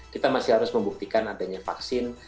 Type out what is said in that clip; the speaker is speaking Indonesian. kita masih harus membuktikan adanya vaksin